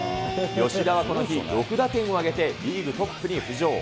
吉田はこの日、６打点を挙げてリーグトップに浮上。